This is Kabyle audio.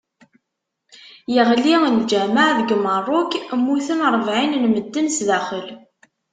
Yeɣli lǧameɛ deg Merruk, mmuten rebɛin n medden sdaxel.